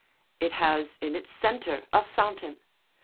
It has in its centre a fountain.